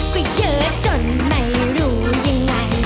ก็เยอะจนไม่รู้ยังไง